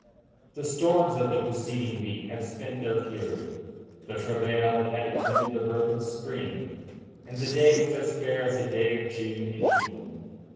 The storms of the preceding week had spent their fury the travail that had attended the birth of Spring and the day was as fair as a day of June in England.